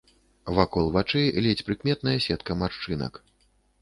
Вакол вачэй ледзь прыкметная сетка маршчынак.